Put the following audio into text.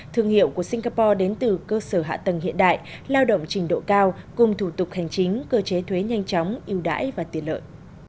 thương hiệu của singapore đến từ cơ sở hạ tầng hiện đại lao động trình độ cao cùng thủ tục hành chính cơ chế thuế nhanh chóng yêu đãi và tiện lợi